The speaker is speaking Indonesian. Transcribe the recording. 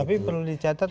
tapi perlu dicatat